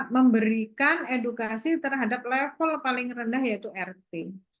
memberikan edukasi terhadap level paling rendah yaitu rt